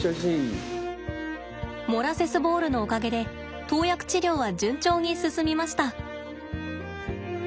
モラセスボールのおかげで投薬治療は順調に進みました。